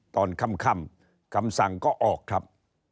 ตอนค่ำคำสั่งก็ออกครับ